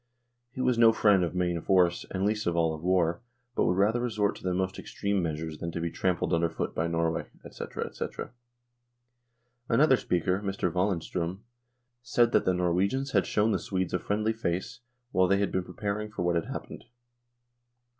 He was no friend of main force, and least of all, of war, but would rather resort to the most extreme measures than to be trampled underfoot by Norway, &c., &c. Another speaker, Mr. Waldenstrom, said that " the Norwegians had shown the Swedes a friendly face, while they had been preparing for what had happened.